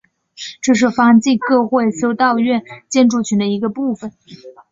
这是方济各会修道院建筑群的一部分。